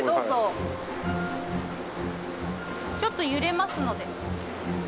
ちょっと揺れますので。